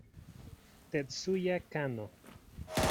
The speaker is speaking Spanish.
Tetsuya Kanno